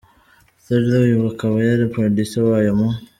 Thedor, uyu akaba yari Producer wayo mu.